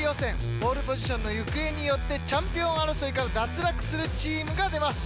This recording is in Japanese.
ポールポジションの行方によってチャンピオン争いから脱落するチームが出ます。